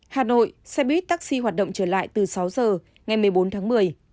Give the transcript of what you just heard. hà nội xe buýt taxi hoạt động trở lại từ sáu giờ ngày một mươi bốn tháng một mươi